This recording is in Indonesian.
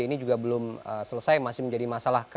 ini juga belum selesai masih menjadi masalah